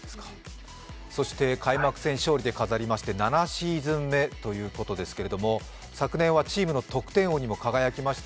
そして開幕戦勝利で飾りまして７シーズン目ということですけれども、昨年はチームの得点王にも輝きました。